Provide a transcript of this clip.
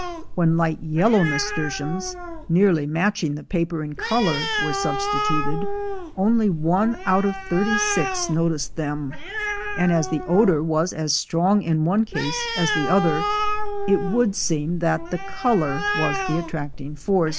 When light yellow nasturtiums, nearly matching the paper in color, were substituted, only one out of thirty six noticed them ; and as the odor was as strong in one case as the other, it would seem that the color was the attracting force.